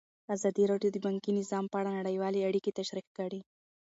ازادي راډیو د بانکي نظام په اړه نړیوالې اړیکې تشریح کړي.